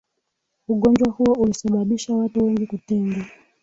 ugonjwa huo ulisababisha watu wengi kutengwa